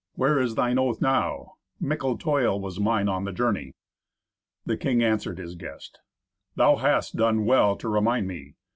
Where is thine oath now? Mickle toil was mine on the journey." The king answered his guest, "Thou hast done well to remind me.